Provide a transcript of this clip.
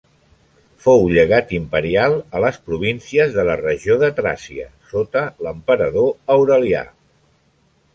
Fou llegat imperial a les províncies de la regió de Tràcia sota l'emperador Aurelià.